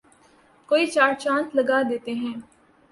کو چار چاند لگا دیتے ہیں